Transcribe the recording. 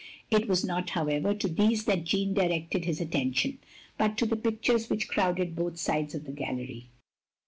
It was not, however, to these that Jeanne directed his attention, but to the pictures which crowded both sides of the gallery.